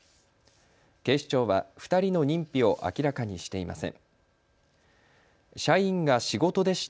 警視庁は２人の認否を明らかにしていません。